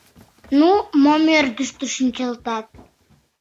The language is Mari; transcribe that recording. Ну, мом ӧрдыжтӧ шинчылтат?